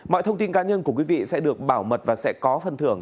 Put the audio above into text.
mọi thông tin cá nhân của quý vị sẽ được bảo mật và sẽ có phần thưởng